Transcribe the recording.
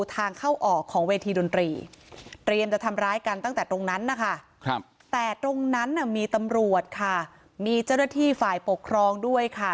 แต่ตรงนั้นมีตำรวจค่ะมีเจ้าหน้าที่ฝ่ายปกครองด้วยค่ะ